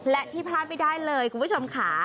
และที่พลาดไม่ได้เลยคุณผู้ชมค่ะ